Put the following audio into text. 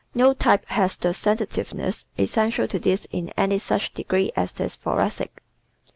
No type has the sensitiveness essential to this in any such degree as the Thoracic.